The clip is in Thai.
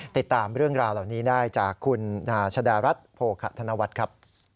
ติดตามเรื่องราวเหล่านี้ได้จากคุณนาชดารัฐโภคะธนวัฒน์ครับ